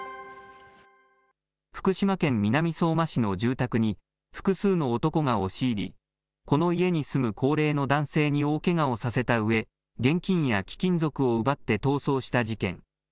福島県南相馬市の住宅に、複数の男が押し入り、この家に住む高齢の男性に大けがをさせたうえ、現金や貴金属を奪って逃走した事件。